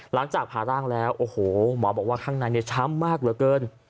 หลังจากผ่าร่างแล้วโอ้โหหมอบอกว่าข้างในช้ำมากเหลือเกิน